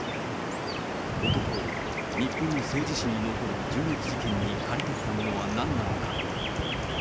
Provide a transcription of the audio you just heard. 男を日本の政治史に残る銃撃事件に駆り立てたものはなんなのか。